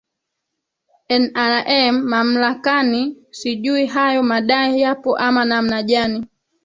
nrm mamlakani sijui hayo madai yapo ama namna jani